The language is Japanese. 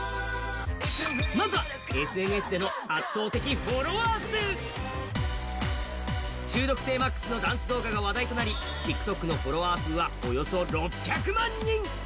まずはＳＮＳでの圧倒的フォロワー数中毒性マックスのダンス動画が話題となりＴｉｋＴｏｋのフォロワー数はおよそ６００万人。